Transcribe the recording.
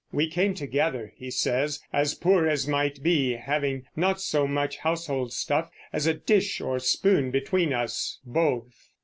"We came together," he says, "as poor as might be, having not so much household stuff as a dish or spoon between us both."